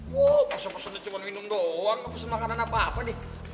wah pas pesennya cuma minum doang gak pesen makanan apa apa nih